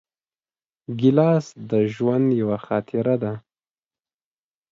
ګیلاس د ژوند یوه خاطره ده.